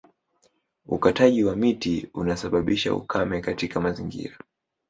Ukataji wa miti unasababisha ukame katika mazingira